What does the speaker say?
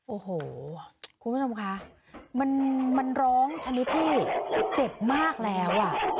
โอ้โหคุณผู้ชมคะมันร้องชนิดที่เจ็บมากแล้ว